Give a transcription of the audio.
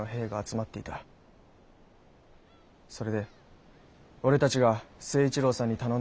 それで俺たちが成一郎さんに頼んだんだい。